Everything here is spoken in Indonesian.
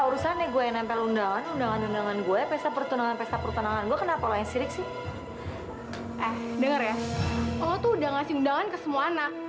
lu tuh udah ngasih undangan ke semua anak